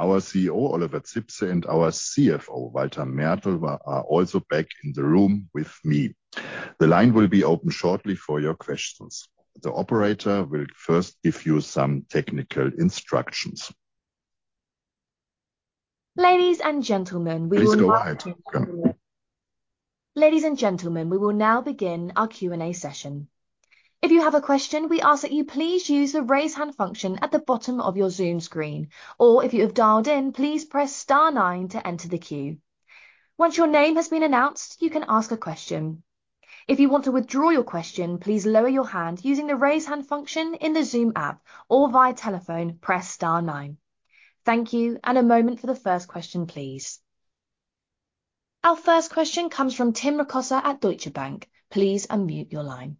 Our CEO, Oliver Zipse, and our CFO, Walter Mertl, are also back in the room with me. The line will be open shortly for your questions. The operator will first give you some technical instructions. Ladies and gentlemen, we will now. Please go ahead. Go ahead. Ladies and gentlemen, we will now begin our Q&A session. If you have a question, we ask that you please use the raise hand function at the bottom of your Zoom screen, or if you have dialed in, please press star nine to enter the queue. Once your name has been announced, you can ask a question. If you want to withdraw your question, please lower your hand using the raise hand function in the Zoom app, or via telephone, press star nine. Thank you, and a moment for the first question, please. Our first question comes from Tim Rokossa at Deutsche Bank. Please unmute your line.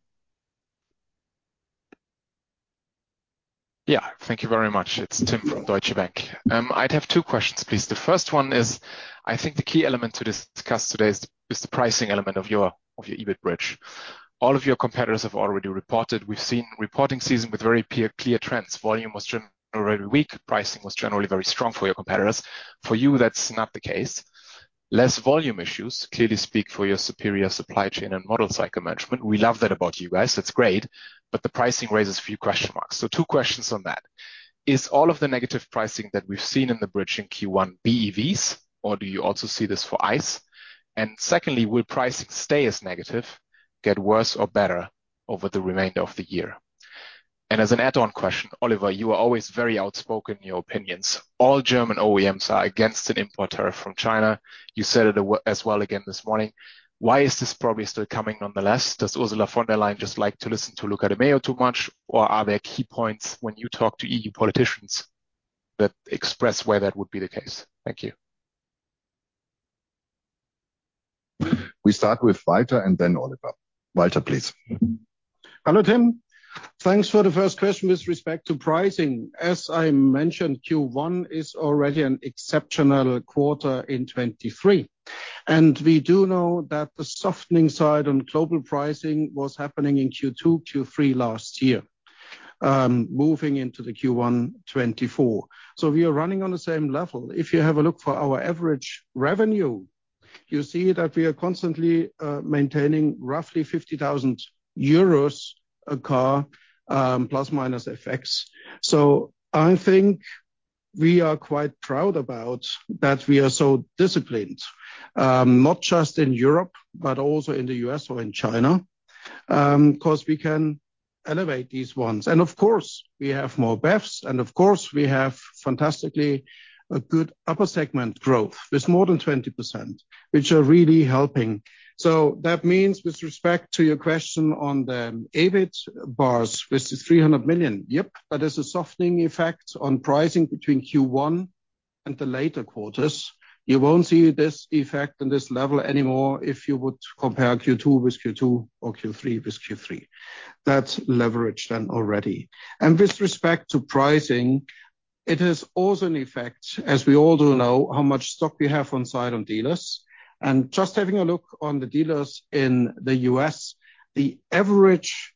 Yeah, thank you very much. It's Tim from Deutsche Bank. I'd have two questions, please. The first one is: I think the key element to discuss today is the pricing element of your EBIT bridge. All of your competitors have already reported. We've seen a reporting season with very clear trends. Volume was generally weak. Pricing was generally very strong for your competitors. For you, that's not the case. Less volume issues clearly speak for your superior supply chain and model cycle management. We love that about you guys. That's great. But the pricing raises a few question marks. So two questions on that: Is all of the negative pricing that we've seen in the bridge in Q1 BEVs, or do you also see this for ICE? And secondly, will pricing stay as negative, get worse or better over the remainder of the year? As an add-on question, Oliver, you are always very outspoken in your opinions. All German OEMs are against an import tariff from China. You said it as well again this morning. Why is this probably still coming nonetheless? Does Ursula von der Leyen just like to listen to Luca de Meo too much, or are there key points when you talk to EU politicians that express where that would be the case? Thank you. We start with Walter and then Oliver. Walter, please. Hello, Tim. Thanks for the first question with respect to pricing. As I mentioned, Q1 is already an exceptional quarter in 2023. We do know that the softening side on global pricing was happening in Q2, Q3 last year, moving into the Q1 2024. So we are running on the same level. If you have a look for our average revenue, you see that we are constantly maintaining roughly 50,000 euros a car, plus/minus FX. So I think we are quite proud about that we are so disciplined, not just in Europe but also in the U.S. or in China, because we can elevate these ones. And of course, we have more BEVs. And of course, we have fantastically good upper segment growth with more than 20%, which are really helping. So that means, with respect to your question on the EBIT bars with the 300 million, yep, there is a softening effect on pricing between Q1 and the later quarters. You won't see this effect and this level anymore if you would compare Q2 with Q2 or Q3 with Q3. That's leverage then already. With respect to pricing, it has also an effect, as we all do know, how much stock we have on site on dealers. Just having a look on the dealers in the U.S., the average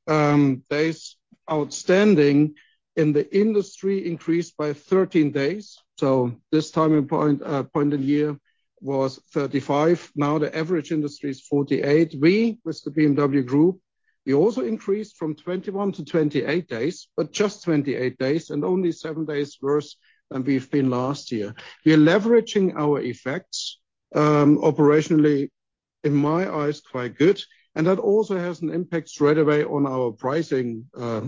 days outstanding in the industry increased by 13 days. So this time point in year was 35. Now the average industry is 48. We, with the BMW Group, we also increased from 21-28 days, but just 28 days and only seven days worse than we've been last year. We are leveraging our effects operationally, in my eyes, quite good. That also has an impact straightaway on our pricing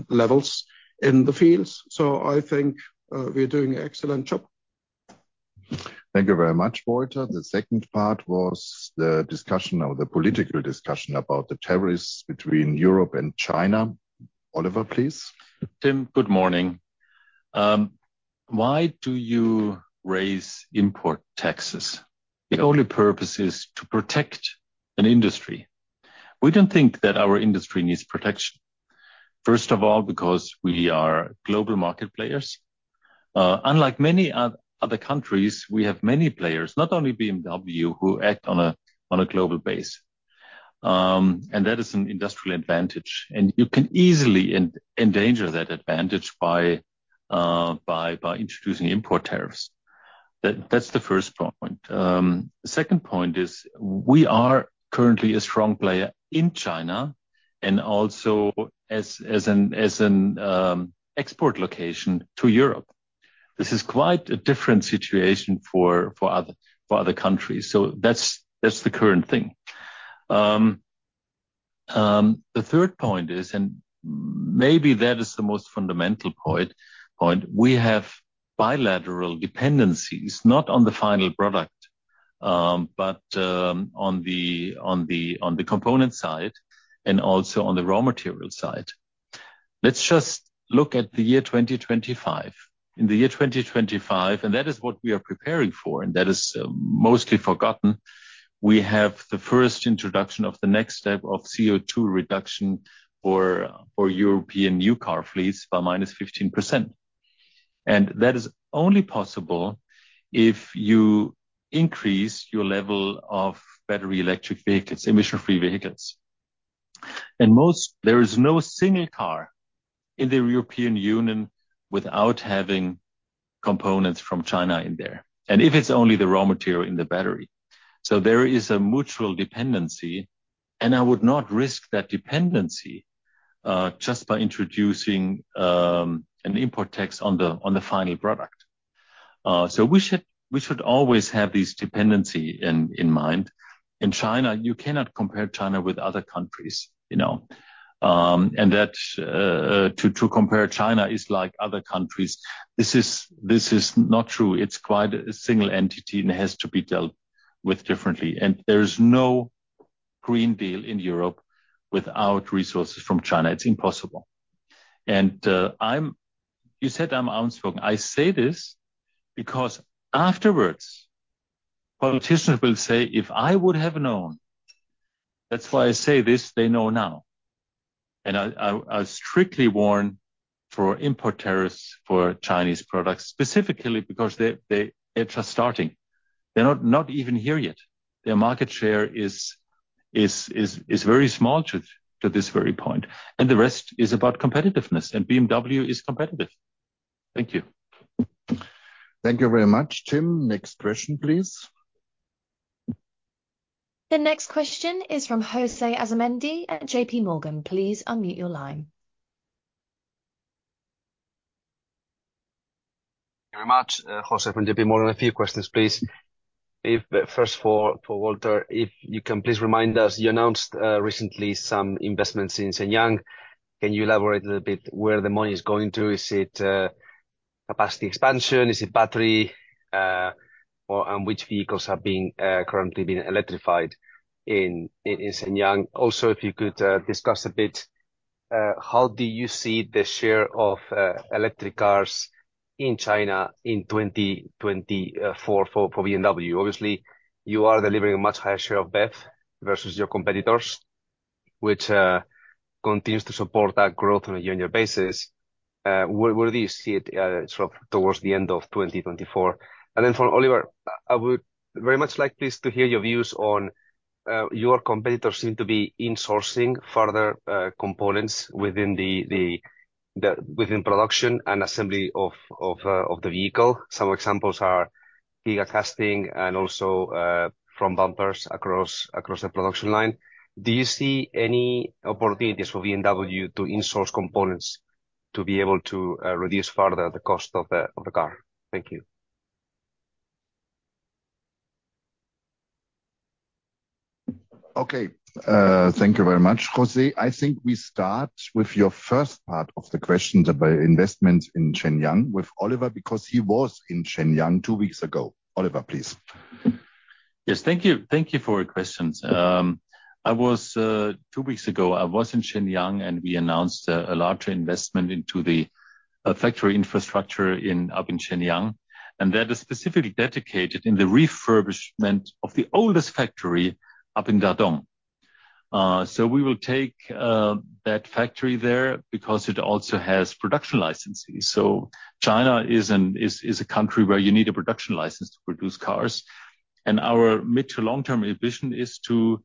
levels in the fields. I think we are doing an excellent job. Thank you very much, Walter. The second part was the discussion or the political discussion about the tariffs between Europe and China. Oliver, please. Tim, good morning. Why do you raise import taxes? The only purpose is to protect an industry. We don't think that our industry needs protection, first of all, because we are global market players. Unlike many other countries, we have many players, not only BMW, who act on a global basis. That is an industrial advantage. You can easily endanger that advantage by introducing import tariffs. That's the first point. The second point is we are currently a strong player in China and also as an export location to Europe. This is quite a different situation for other countries. That's the current thing. The third point is, and maybe that is the most fundamental point, we have bilateral dependencies, not on the final product, but on the component side and also on the raw material side. Let's just look at the year 2025. In the year 2025, and that is what we are preparing for, and that is mostly forgotten, we have the first introduction of the next step of CO2 reduction for European new car fleets by -15%. That is only possible if you increase your level of battery electric vehicles, emission-free vehicles. There is no single car in the European Union without having components from China in there, and if it's only the raw material in the battery. So there is a mutual dependency. I would not risk that dependency just by introducing an import tax on the final product. We should always have this dependency in mind. In China, you cannot compare China with other countries. To compare China is like other countries. This is not true. It's quite a single entity, and it has to be dealt with differently. There is no Green Deal in Europe without resources from China. It's impossible. You said I'm outspoken. I say this because afterwards, politicians will say, "If I would have known." That's why I say this. They know now. I strictly warn for import tariffs for Chinese products, specifically because they're just starting. They're not even here yet. Their market share is very small to this very point. The rest is about competitiveness. BMW is competitive. Thank you. Thank you very much, Tim. Next question, please. The next question is from José Asumendi at JPMorgan. Please unmute your line. Thank you very much, José from JPMorgan. A few questions, please. First, for Walter, if you can please remind us, you announced recently some investments in Shenyang. Can you elaborate a little bit where the money is going to? Is it capacity expansion? Is it battery? And which vehicles have currently been electrified in Shenyang? Also, if you could discuss a bit, how do you see the share of electric cars in China in 2024 for BMW? Obviously, you are delivering a much higher share of BEV versus your competitors, which continues to support that growth on a yearly basis. Where do you see it sort of towards the end of 2024? And then for Oliver, I would very much like, please, to hear your views on your competitors seem to be insourcing further components within production and assembly of the vehicle. Some examples are gigacasting and also front bumpers across the production line. Do you see any opportunities for BMW to insource components to be able to reduce further the cost of the car? Thank you. Okay. Thank you very much, José. I think we start with your first part of the questions about investments in Shenyang with Oliver, because he was in Shenyang two weeks ago. Oliver, please. Yes. Thank you for your questions. Two weeks ago, I was in Shenyang, and we announced a larger investment into the factory infrastructure up in Shenyang. That is specifically dedicated to the refurbishment of the oldest factory up in Dadong. We will take that factory there because it also has production licenses. China is a country where you need a production license to produce cars. Our mid to long-term ambition is to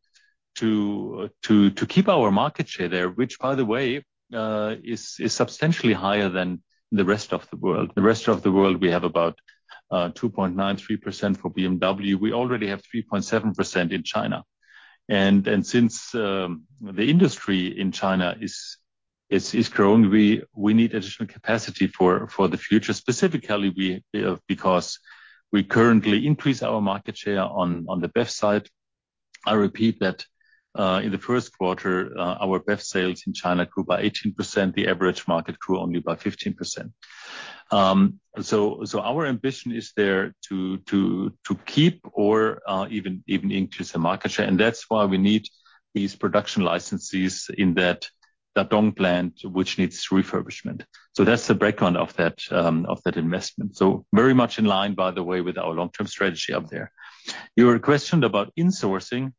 keep our market share there, which, by the way, is substantially higher than the rest of the world. The rest of the world, we have about 2.93% for BMW. We already have 3.7% in China. Since the industry in China is growing, we need additional capacity for the future, specifically because we currently increase our market share on the BEV side. I repeat that in the first quarter, our BEV sales in China grew by 18%. The average market grew only by 15%. So our ambition is there to keep or even increase the market share. And that's why we need these production licenses in that Dadong plant, which needs refurbishment. So that's the background of that investment. So very much in line, by the way, with our long-term strategy up there. You were questioned about insourcing.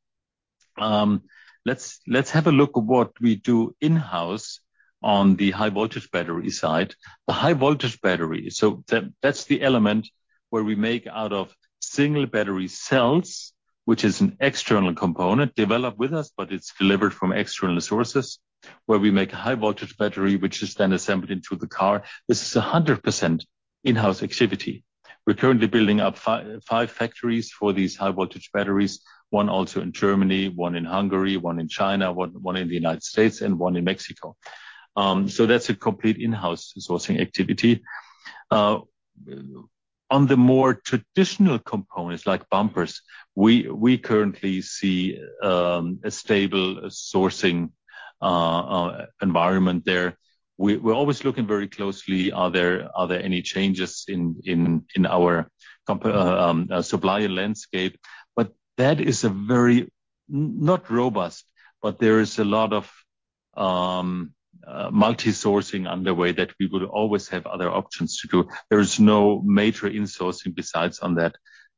Let's have a look at what we do in-house on the high-voltage battery side. The high-voltage battery, so that's the element where we make out of single battery cells, which is an external component developed with us, but it's delivered from external sources, where we make a high-voltage battery, which is then assembled into the car. This is 100% in-house activity. We're currently building up 5 factories for these high-voltage batteries, one also in Germany, one in Hungary, one in China, one in the United States, and one in Mexico. So that's a complete in-house sourcing activity. On the more traditional components like bumpers, we currently see a stable sourcing environment there. We're always looking very closely. Are there any changes in our supply landscape? But that is not robust. But there is a lot of multi-sourcing underway that we would always have other options to do. There is no major insourcing besides on the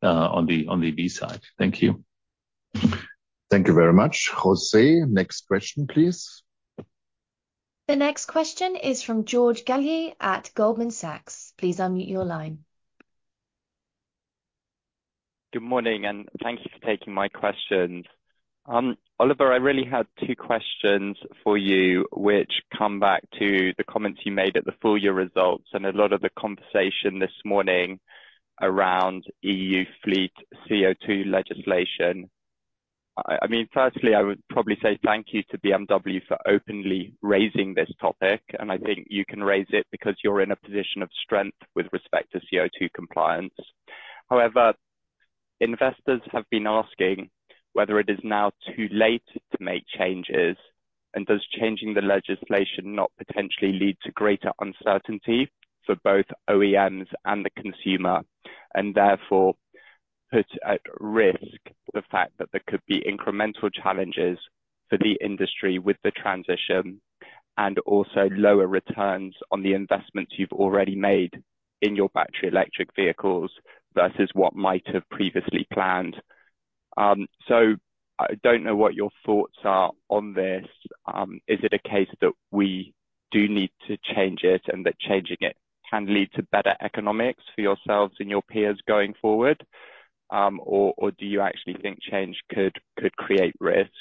HV side. Thank you. Thank you very much, José. Next question, please. The next question is from George Galliers at Goldman Sachs. Please unmute your line. Good morning. Thank you for taking my questions. Oliver, I really had two questions for you, which come back to the comments you made at the full-year results and a lot of the conversation this morning around EU fleet CO2 legislation. I mean, firstly, I would probably say thank you to BMW for openly raising this topic. I think you can raise it because you're in a position of strength with respect to CO2 compliance. However, investors have been asking whether it is now too late to make changes, and does changing the legislation not potentially lead to greater uncertainty for both OEMs and the consumer, and therefore put at risk the fact that there could be incremental challenges for the industry with the transition and also lower returns on the investments you've already made in your battery electric vehicles versus what might have previously planned? So I don't know what your thoughts are on this. Is it a case that we do need to change it and that changing it can lead to better economics for yourselves and your peers going forward? Or do you actually think change could create risk?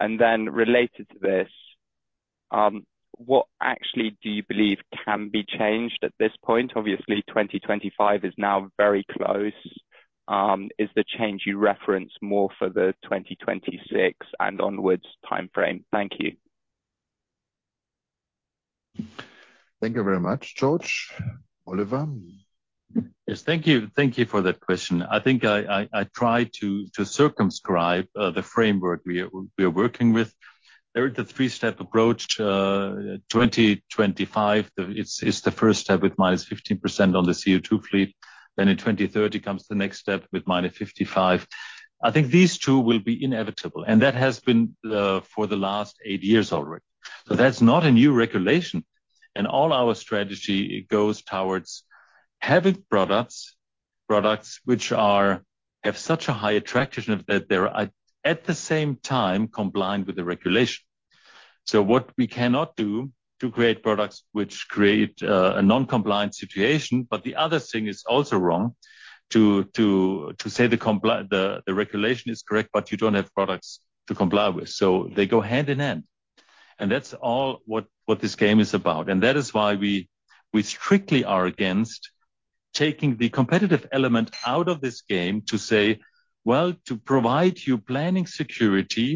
And then related to this, what actually do you believe can be changed at this point? Obviously, 2025 is now very close. Is the change you referenced more for the 2026 and onwards timeframe? Thank you. Thank you very much, George. Oliver? Yes. Thank you for that question. I think I tried to circumscribe the framework we are working with. There is the three-step approach. 2025 is the first step with -15% on the CO2 fleet. Then in 2030 comes the next step with -55%. I think these two will be inevitable. And that has been for the last eight years already. So that's not a new regulation. And all our strategy goes towards having products which have such a high attractiveness that they're at the same time compliant with the regulation. So what we cannot do is create products which create a non-compliant situation. But the other thing is also wrong, to say the regulation is correct, but you don't have products to comply with. So they go hand in hand. And that's all what this game is about. That is why we strictly are against taking the competitive element out of this game to say, "Well, to provide you planning security,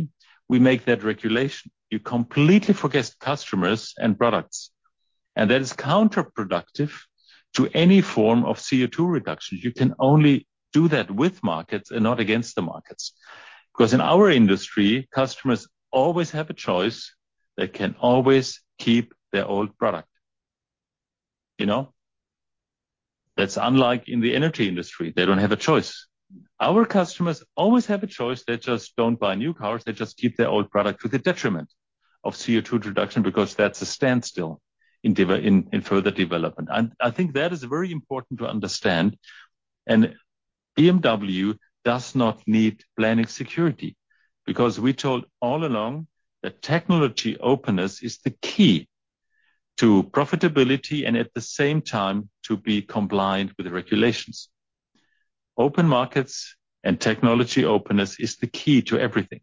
we make that regulation." You completely forget customers and products. That is counterproductive to any form of CO2 reduction. You can only do that with markets and not against the markets. Because in our industry, customers always have a choice. They can always keep their old product. That's unlike in the energy industry. They don't have a choice. Our customers always have a choice. They just don't buy new cars. They just keep their old product to the detriment of CO2 reduction because that's a standstill in further development. I think that is very important to understand. BMW does not need planning security because we told all along that technology openness is the key to profitability and at the same time to be compliant with the regulations. Open markets and technology openness is the key to everything.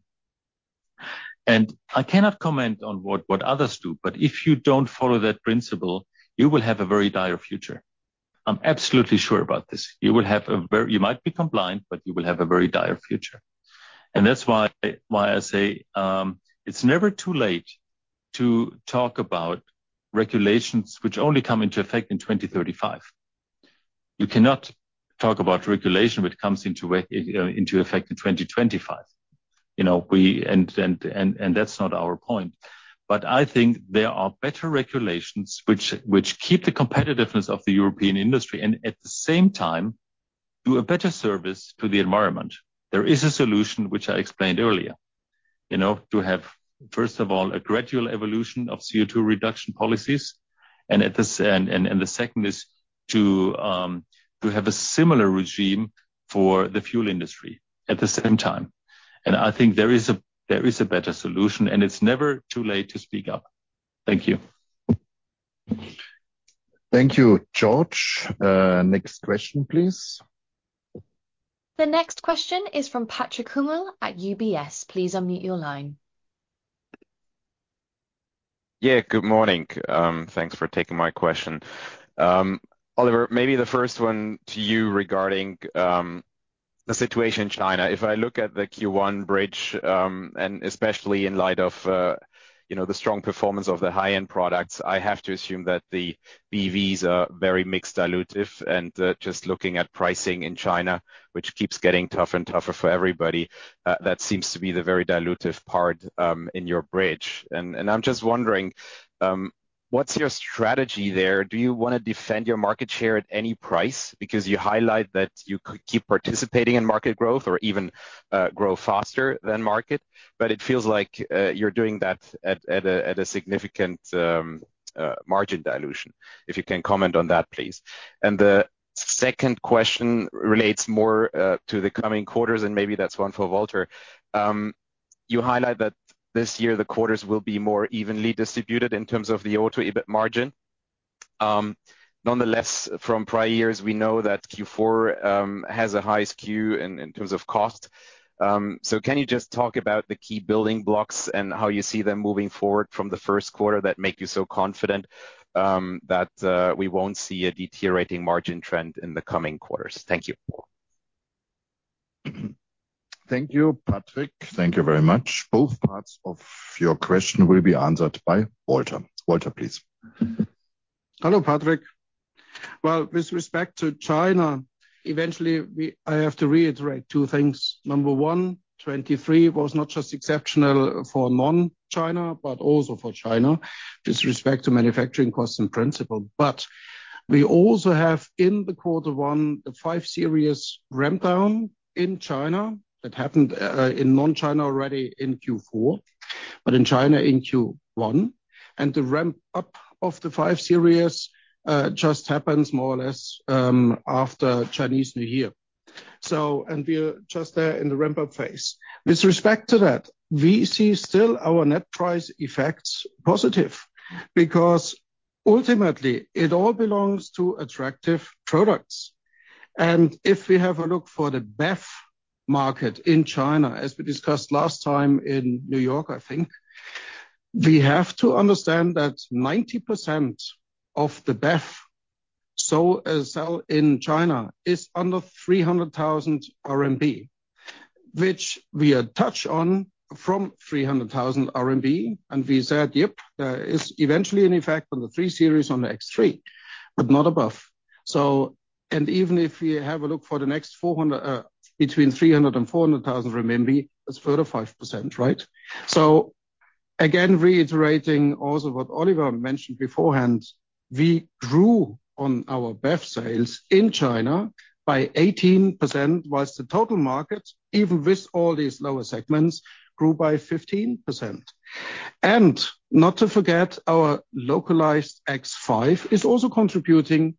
I cannot comment on what others do, but if you don't follow that principle, you will have a very dire future. I'm absolutely sure about this. You might be compliant, but you will have a very dire future. That's why I say it's never too late to talk about regulations which only come into effect in 2035. You cannot talk about regulation which comes into effect in 2025. That's not our point. I think there are better regulations which keep the competitiveness of the European industry and at the same time do a better service to the environment. There is a solution which I explained earlier, to have, first of all, a gradual evolution of CO2 reduction policies. The second is to have a similar regime for the fuel industry at the same time. I think there is a better solution. It's never too late to speak up. Thank you. Thank you, George. Next question, please. The next question is from Patrick Hummel at UBS. Please unmute your line. Yeah. Good morning. Thanks for taking my question. Oliver, maybe the first one to you regarding the situation in China. If I look at the Q1 bridge, and especially in light of the strong performance of the high-end products, I have to assume that the BEVs are very mix-dilutive. And just looking at pricing in China, which keeps getting tougher and tougher for everybody, that seems to be the very dilutive part in your bridge. And I'm just wondering, what's your strategy there? Do you want to defend your market share at any price because you highlight that you could keep participating in market growth or even grow faster than market? But it feels like you're doing that at a significant margin dilution. If you can comment on that, please. And the second question relates more to the coming quarters. And maybe that's one for Walter. You highlight that this year, the quarters will be more evenly distributed in terms of the auto-EBIT margin. Nonetheless, from prior years, we know that Q4 has a high skew in terms of cost. So can you just talk about the key building blocks and how you see them moving forward from the first quarter that make you so confident that we won't see a deteriorating margin trend in the coming quarters? Thank you. Thank you, Patrick. Thank you very much. Both parts of your question will be answered by Walter. Walter, please. Hello, Patrick. Well, with respect to China, eventually, I have to reiterate two things. Number one, 2023 was not just exceptional for non-China, but also for China with respect to manufacturing costs in principle. But we also have in quarter one the 5 Series rampdown in China that happened in non-China already in Q4, but in China in Q1. And the ramp-up of the 5 Series just happens more or less after Chinese New Year. And we're just there in the ramp-up phase. With respect to that, we see still our net price effects positive because ultimately, it all belongs to attractive products. And if we have a look for the BEV market in China, as we discussed last time in New York, I think, we have to understand that 90% of the BEV sold in China is under 300,000 RMB, which we had touched on from 300,000 RMB. And we said, "Yep, there is eventually an effect on the 3 Series on the X3, but not above." And even if we have a look for the next between 300,000-400,000 RMB, it's further 5%, right? So again, reiterating also what Oliver mentioned beforehand, we grew on our BEV sales in China by 18%, while the total market, even with all these lower segments, grew by 15%. And not to forget, our localized X5 is also contributing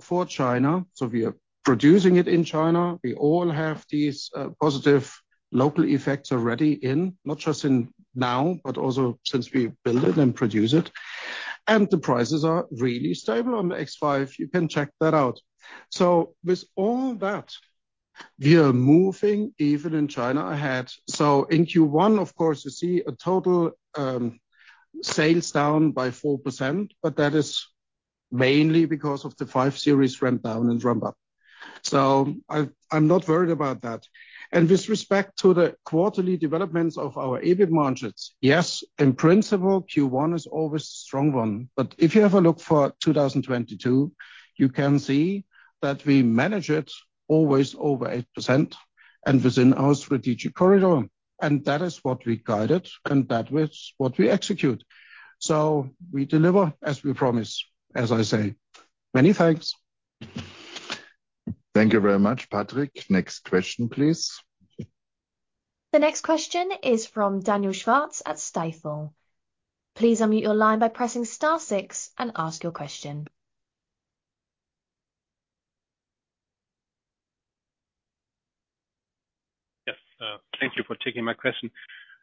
for China. So we are producing it in China. We all have these positive local effects already in, not just now, but also since we build it and produce it. And the prices are really stable on the X5. You can check that out. So with all that, we are moving even in China ahead. So in Q1, of course, you see a total sales down by 4%. That is mainly because of the 5 Series rampdown and ramp-up. I'm not worried about that. With respect to the quarterly developments of our EBIT margins, yes, in principle, Q1 is always a strong one. If you have a look for 2022, you can see that we manage it always over 8% and within our strategic corridor. That is what we guided. That is what we execute. We deliver as we promise, as I say. Many thanks. Thank you very much, Patrick. Next question, please. The next question is from Daniel Schwarz at Stifel. Please unmute your line by pressing star six and ask your question. Yes. Thank you for taking my question.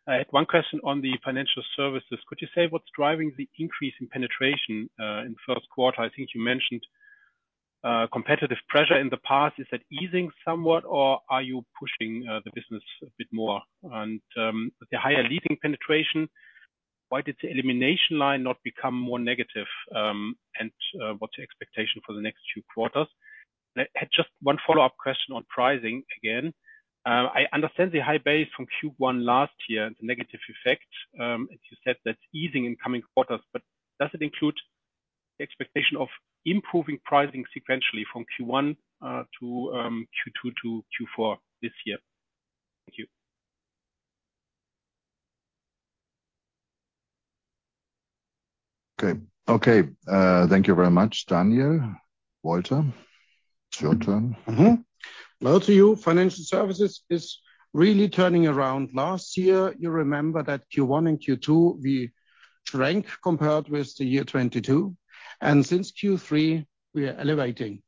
I had one question on the financial services. Could you say what's driving the increase in penetration in first quarter? I think you mentioned competitive pressure in the past. Is that easing somewhat, or are you pushing the business a bit more? And with the higher leasing penetration, why did the elimination line not become more negative? And what's the expectation for the next two quarters? I had just one follow-up question on pricing again. I understand the high base from Q1 last year and the negative effect. And you said that's easing in coming quarters. But does it include the expectation of improving pricing sequentially from Q1 to Q2 to Q4 this year? Thank you. Okay. Okay. Thank you very much, Daniel. Walter, it's your turn. Well, to you, Financial Services is really turning around. Last year, you remember that Q1 and Q2, we shrank compared with the year 2022. And since Q3, we are elevating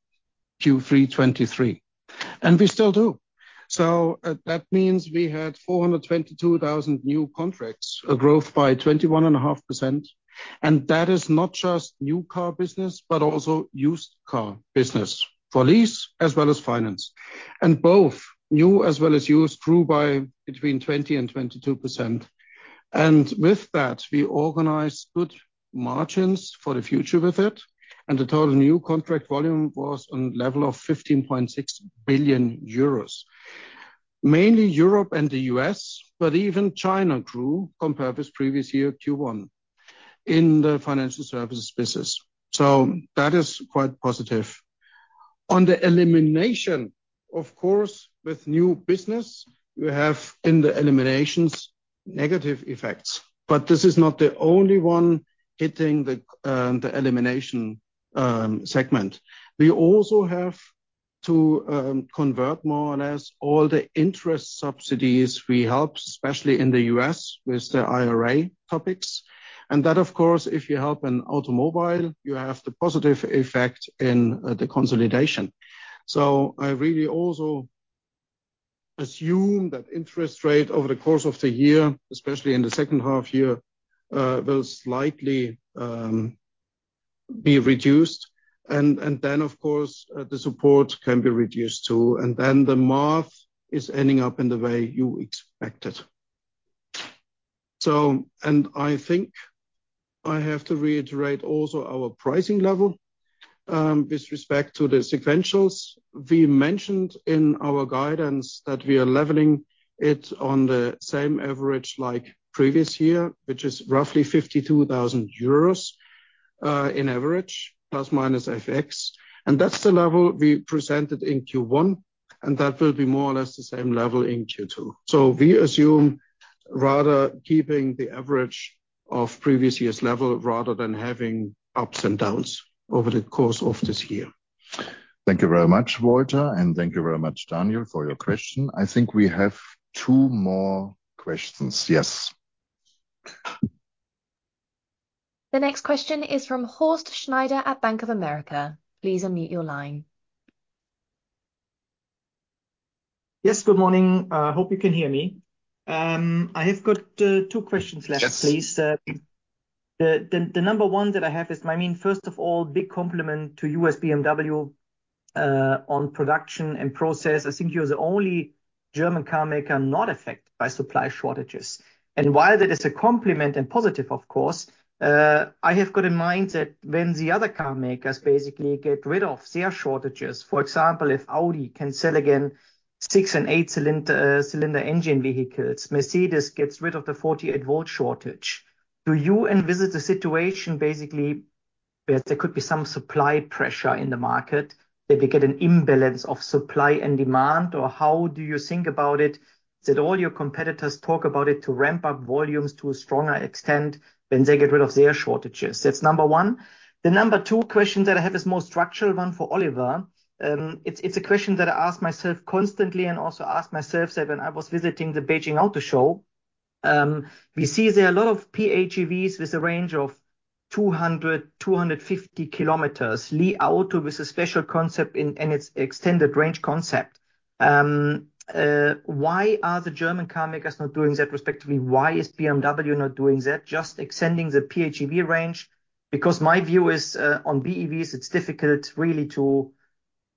Q3 2023. And we still do. So that means we had 422,000 new contracts, a growth by 21.5%. And that is not just new car business, but also used car business for lease as well as finance. And both new as well as used grew by between 20%-22%. And with that, we organized good margins for the future with it. And the total new contract volume was on the level of 15.6 billion euros, mainly Europe and the U.S., but even China grew compared with previous year Q1 in the Financial Services business. So that is quite positive. On the elimination, of course, with new business, we have in the eliminations negative effects. But this is not the only one hitting the elimination segment. We also have to convert more or less all the interest subsidies we help, especially in the U.S. with the IRA topics. And that, of course, if you help in automobile, you have the positive effect in the consolidation. So I really also assume that interest rate over the course of the year, especially in the second half year, will slightly be reduced. And then, of course, the support can be reduced too. And then the math is ending up in the way you expected. And I think I have to reiterate also our pricing level with respect to the sequentials. We mentioned in our guidance that we are leveling it on the same average like previous year, which is roughly 52,000 euros in average, plus/minus FX. And that's the level we presented in Q1. That will be more or less the same level in Q2. We assume rather keeping the average of previous year's level rather than having ups and downs over the course of this year. Thank you very much, Walter. Thank you very much, Daniel, for your question. I think we have two more questions. Yes. The next question is from Horst Schneider at Bank of America. Please unmute your line. Yes. Good morning. I hope you can hear me. I have got two questions left, please. The number one that I have is, I mean, first of all, big compliment to you as BMW on production and process. I think you're the only German car maker not affected by supply shortages. And while that is a compliment and positive, of course, I have got in mind that when the other car makers basically get rid of their shortages, for example, if Audi can sell again 6- and 8-cylinder engine vehicles, Mercedes gets rid of the 48-volt shortage. Do you envisage a situation basically where there could be some supply pressure in the market? Did we get an imbalance of supply and demand, or how do you think about it? Did all your competitors talk about it to ramp up volumes to a stronger extent when they get rid of their shortages? That's number 1. The number 2 question that I have is a more structural one for Oliver. It's a question that I ask myself constantly and also ask myself that when I was visiting the Beijing Auto Show, we see there are a lot of PHEVs with a range of 200, 250 km, Li Auto with a special concept and its extended range concept. Why are the German car makers not doing that? Respectively, why is BMW not doing that, just extending the PHEV range? Because my view is on BEVs, it's difficult really to,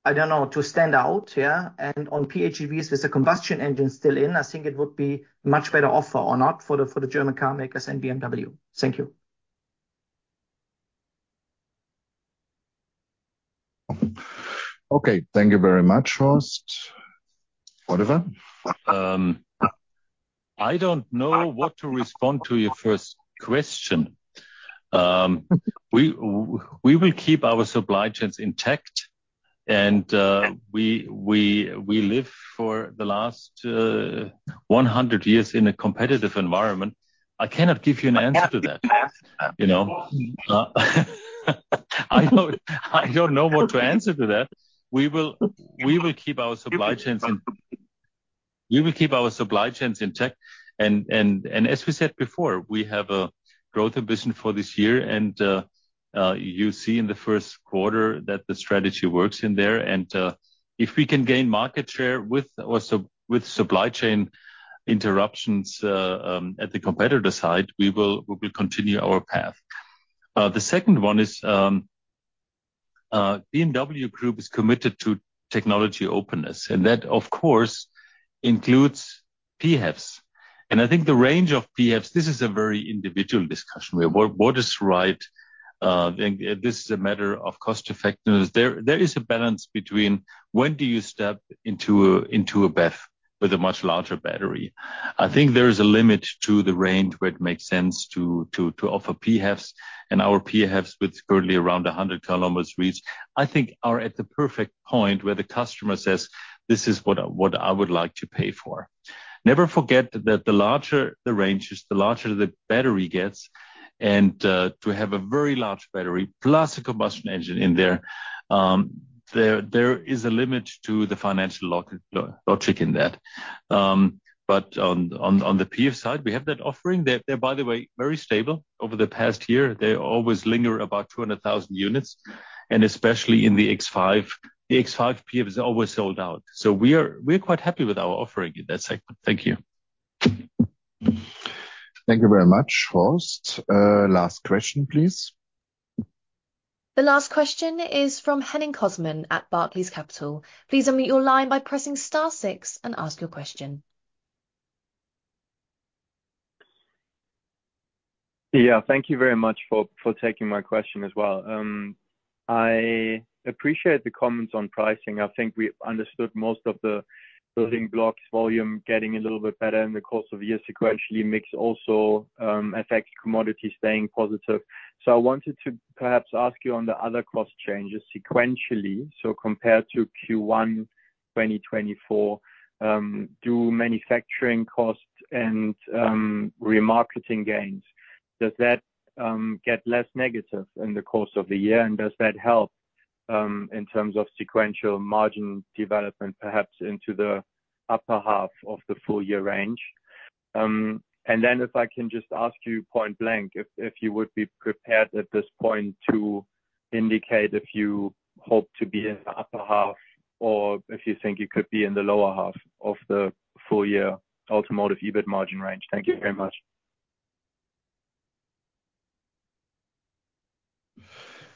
I don't know, to stand out, yeah? And on PHEVs with the combustion engine still in, I think it would be a much better offer or not for the German car makers and BMW. Thank you. Okay. Thank you very much, Horst. Oliver? I don't know what to respond to your first question. We will keep our supply chains intact. We live for the last 100 years in a competitive environment. I cannot give you an answer to that. I don't know what to answer to that. We will keep our supply chains intact. As we said before, we have a growth ambition for this year. You see in the first quarter that the strategy works in there. If we can gain market share with supply chain interruptions at the competitor side, we will continue our path. The second one is BMW Group is committed to technology openness. That, of course, includes PHEVs. I think the range of PHEVs, this is a very individual discussion. What is right? This is a matter of cost-effectiveness. There is a balance between when do you step into a BEV with a much larger battery? I think there is a limit to the range where it makes sense to offer PHEVs. And our PHEVs with currently around 100 km reach, I think, are at the perfect point where the customer says, "This is what I would like to pay for." Never forget that the larger the range is, the larger the battery gets. And to have a very large battery plus a combustion engine in there, there is a limit to the financial logic in that. But on the PHEV side, we have that offering. They're, by the way, very stable over the past year. They always linger about 200,000 units. And especially in the X5, the X5 PHEVs are always sold out. So we're quite happy with our offering in that segment. Thank you. Thank you very much, Horst. Last question, please. The last question is from Henning Cosman at Barclays. Please unmute your line by pressing star six and ask your question. Yeah. Thank you very much for taking my question as well. I appreciate the comments on pricing. I think we understood most of the building blocks volume getting a little bit better in the course of the year sequentially mix also affects commodity staying positive. So I wanted to perhaps ask you on the other cost changes sequentially. So compared to Q1 2024, do manufacturing costs and remarketing gains, does that get less negative in the course of the year? And does that help in terms of sequential margin development perhaps into the upper half of the full year range? And then if I can just ask you point blank, if you would be prepared at this point to indicate if you hope to be in the upper half or if you think you could be in the lower half of the full year automotive EBIT margin range. Thank you very much.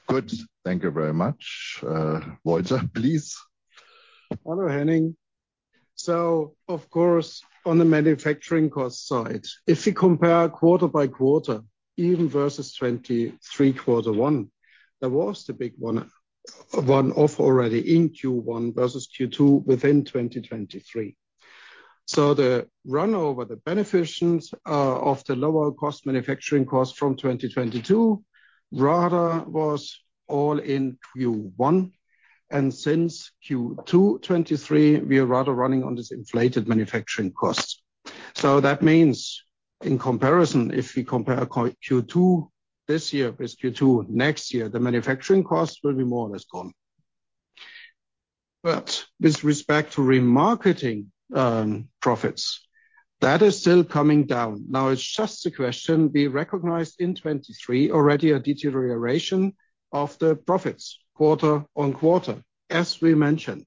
Good. Thank you very much. Walter, please. Hello, Henning. So of course, on the manufacturing cost side, if we compare quarter by quarter, even versus 2023, quarter one, there was the big one-off already in Q1 versus Q2 within 2023. So the runover, the beneficiaries of the lower cost manufacturing cost from 2022 rather was all in Q1. And since Q2 2023, we are rather running on this inflated manufacturing cost. So that means in comparison, if we compare Q2 this year with Q2 next year, the manufacturing cost will be more or less gone. But with respect to remarketing profits, that is still coming down. Now, it's just a question. We recognized in 2023 already a deterioration of the profits quarter on quarter, as we mentioned.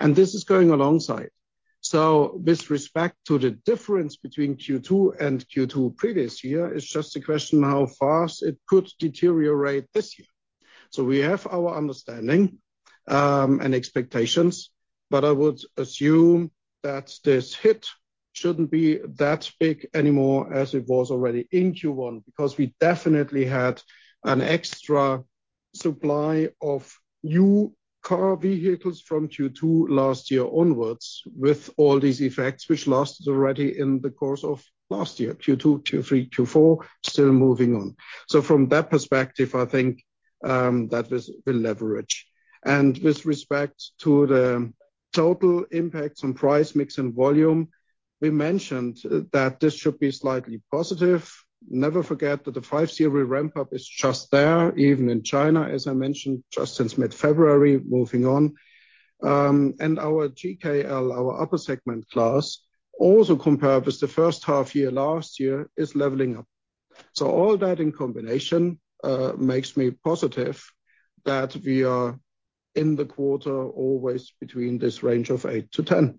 And this is going alongside. So with respect to the difference between Q2 and Q2 previous year, it's just a question how fast it could deteriorate this year. So we have our understanding and expectations. But I would assume that this hit shouldn't be that big anymore as it was already in Q1 because we definitely had an extra supply of new car vehicles from Q2 last year onwards with all these effects, which lasted already in the course of last year, Q2, Q3, Q4, still moving on. So from that perspective, I think that will leverage. And with respect to the total impacts on price mix and volume, we mentioned that this should be slightly positive. Never forget that the 5 Series ramp-up is just there, even in China, as I mentioned, just since mid-February, moving on. And our GKL, our upper segment class, also compared with the first half year last year, is leveling up. So all that in combination makes me positive that we are in the quarter always between this range of 8-10,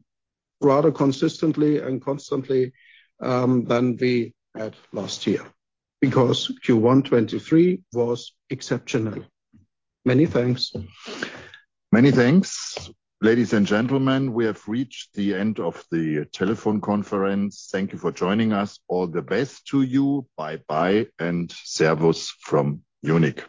rather consistently and constantly than we had last year because Q1 2023 was exceptional. Many thanks. Many thanks. Ladies and gentlemen, we have reached the end of the telephone conference. Thank you for joining us. All the best to you. Bye-bye and Servus from Munich.